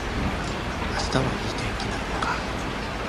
明日はいい天気なんやが